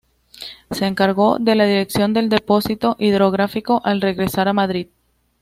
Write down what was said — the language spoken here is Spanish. Se encargó de la dirección del Depósito Hidrográfico al regresar a Madrid.